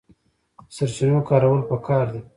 د سرچینو کارول پکار دي